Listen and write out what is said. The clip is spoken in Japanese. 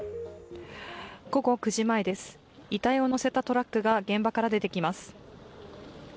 午後９時前です、遺体を乗せたトラックが現場から出てきます。